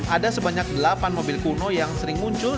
ada sebanyak delapan mobil kuno yang sering muncul